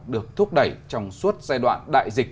được thúc đẩy trong suốt giai đoạn đại dịch